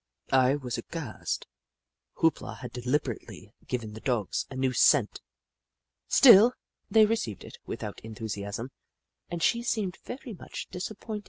I was aghast. Hoop La had deliberately given the Dogs a new scent ! Still, they received it without enthusiasm and she seemed very much disappointed.